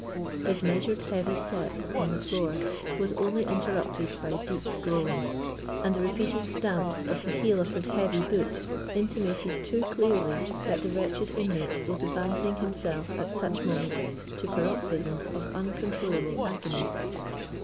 His measured heavy step upon the floor was only interrupted by deep groans; and the repeated stamps of the heel of his heavy boot intimated too clearly that the wretched inmate was abandoning himself at such moments to paroxysms of uncontrolled agony.